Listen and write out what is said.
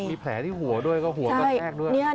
มีแผลที่หัวด้วยก็หัวกระแทกด้วย